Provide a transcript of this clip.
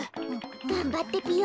がんばってぴよ！